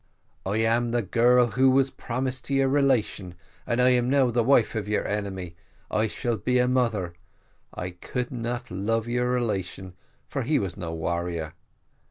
"`I am the girl who was promised to your relation, and I am now the wife of your enemy. I shall be a mother. I could not love your relation, for he was no warrior.